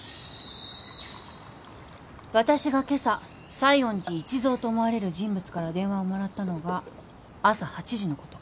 私が今朝西園寺一蔵と思われる人物から電話をもらったのが朝８時のこと。